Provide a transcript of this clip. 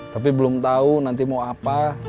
tapi belum tahu nanti mau apa